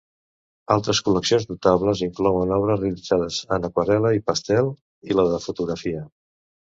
Altres col·leccions notables inclouen obres realitzades en aquarel·la i pastel, i la de fotografia.